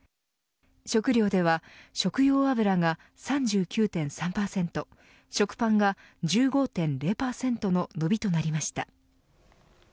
食料では食用油が３９．３％食パンが１５．０％の伸びとなりました。